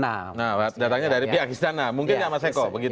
nah datangnya dari pihak istana mungkin ya mas eko begitu